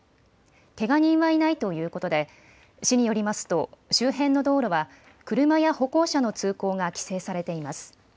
けが人はいないということで市によりますと周辺の道路は車や歩行者の通行が規制されています。